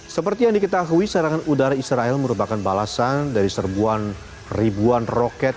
seperti yang diketahui serangan udara israel merupakan balasan dari serbuan ribuan roket